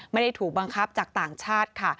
ไม่ได้ถูกบังคับจากต่างชาติค่ะ